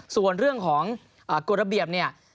ส่วนเรื่องของกฎระเบียบเนี่ย